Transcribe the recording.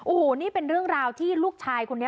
โอ้โหนี่เป็นเรื่องราวที่ลูกชายคนนี้